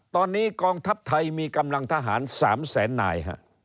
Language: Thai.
ตอนนี้กองทัพไทยมีกำลังทหาร๓แสนนาย